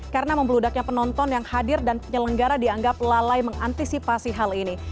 karena membeludaknya penonton yang hadir dan penyelenggara dianggap lalai mengantisipasi hal ini